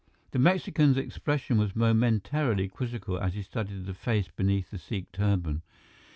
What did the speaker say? The Mexican's expression was momentarily quizzical as he studied the face beneath the Sikh turban.